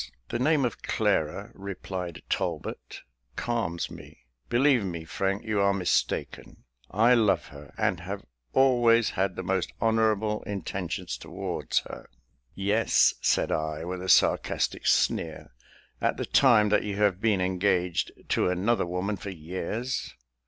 "The name of Clara," replied Talbot, "calms me; believe me, Frank, you are mistaken. I love her, and have always had the most honourable intentions towards her." "Yes," said I, with a sarcastic sneer, "at the time that you have been engaged to another woman for years.